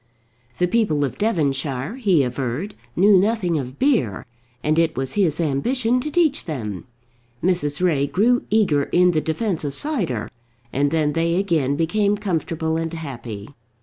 The people of Devonshire, he averred, knew nothing of beer, and it was his ambition to teach them. Mrs. Ray grew eager in the defence of cider, and then they again became comfortable and happy.